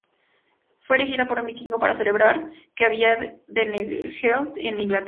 Fue erigida por un vikingo para celebrar que había danegeld en Inglaterra.